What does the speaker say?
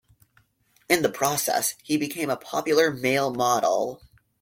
In the process, he became a popular male model.